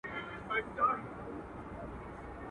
په ځنگله كي سو دا يو سل سرى پاته.